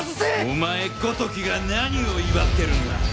お前ごときが何を威張ってるんだ！